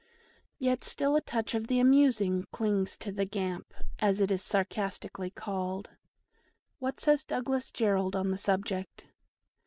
Yet still a touch of the amusing clings to the "Gamp," as it is sarcastically called. 'What says Douglas Jerrold on the subject?